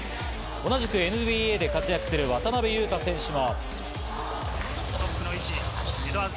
同じくＮＢＡで活躍する渡邊雄太選手も。